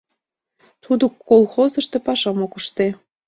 Тудо колхозышто пашам ок ыште.